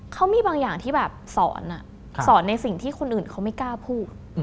เขามีบางอย่างที่แบบสอนสอนในสิ่งที่คนอื่นเขาไม่กล้าพูด